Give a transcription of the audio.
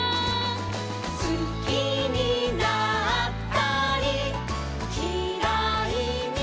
「すきになったりきらいになったり」